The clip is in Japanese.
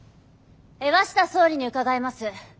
鷲田総理に伺います。